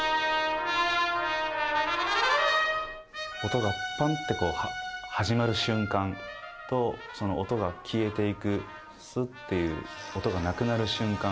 音がパンって始まる瞬間、と音が消えていく、スッていう音がなくなる瞬間。